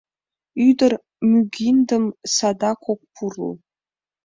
Ӱдыр мӱгиндым садак ок пурл.